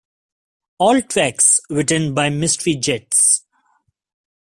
All tracks written by Mystery Jets.